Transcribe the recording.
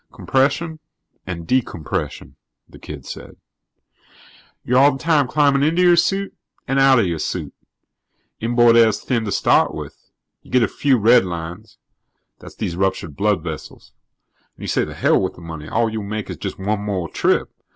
"Compression and decompression," the kid said. "You're all the time climbing into your suit and out of your suit. Inboard air's thin to start with. You get a few redlines that's these ruptured blood vessels and you say the hell with the money; all you'll make is just one more trip.